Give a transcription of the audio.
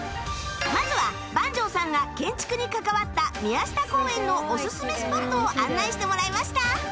まずは番匠さんが建築に関わった宮下公園のオススメスポットを案内してもらいました